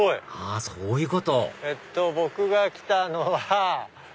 あっそういうことえっと僕が来たのは。